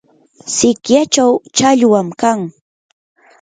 sikyachaw challwam kan.